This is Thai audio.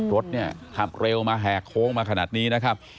รถเนี่ยขับเร็วมาแหกโค้งมาขนาดนี้นะครับ